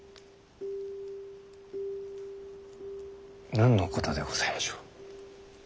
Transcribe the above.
何のことでございましょう？